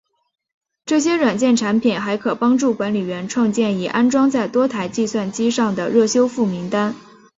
这些软件产品还可帮助管理员创建已安装在多台计算机上的热修复名单。